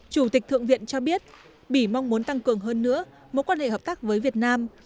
chủ tịch thượng viện cho biết bỉ mong muốn tăng cường hơn nữa mối quan hệ hợp tác với việt nam